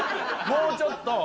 もうちょっと。